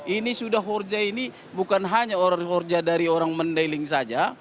ini sudah horja ini bukan hanya horja dari orang mendailing saja